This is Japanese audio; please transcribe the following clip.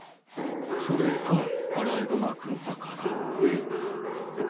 それがアライグマ君だからね。